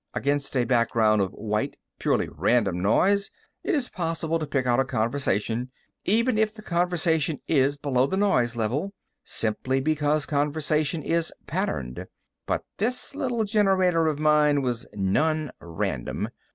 Against a background of "white," purely random noise, it is possible to pick out a conversation, even if the conversation is below the noise level, simply because conversation is patterned. But this little generator of mine was non random.